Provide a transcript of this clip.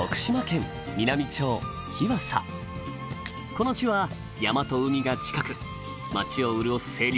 この地は山と海が近く町を潤す清流